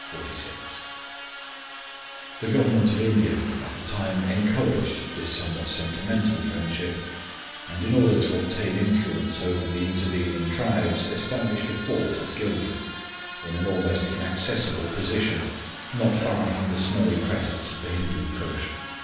] The Government of India at the time encouraged this somewhat sentimental friendship, and in order to obtain influence over the intervening tribes established a fort at Gilgit, in an almost inaccessible position, not far from the snowy crests of the Hindoo Koosh.